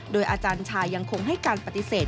โดยอาจารย์ชายยังคงให้การปฏิเสธ